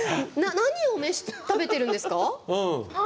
何を食べてるんですか？